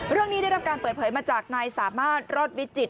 ได้รับการเปิดเผยมาจากนายสามารถรอดวิจิต